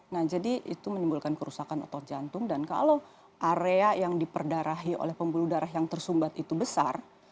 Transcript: nah jadi itu menimbulkan kerusakan otot jantung dan kalau area yang diperdarahi oleh pembuluh darah yang tersumbat itu besar